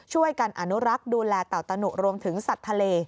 ช่วยกันอนุรักษ์ดูแลเต่าตะหนุรวมถึงสัตว์ทะเล